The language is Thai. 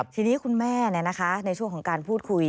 ทีนี้คุณแม่ในช่วงของการพูดคุย